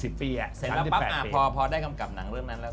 เสร็จแล้วปั๊บพอได้กำกับหนังเรื่องนั้นแล้ว